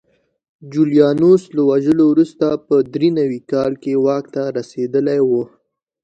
جولیانوس له وژلو وروسته په درې نوي کال کې واک ته رسېدلی و